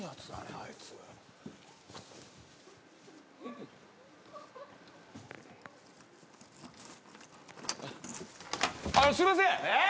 あいつあのすいませんえっ